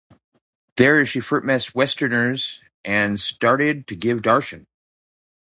There she first met Westerners and started to give Darshan.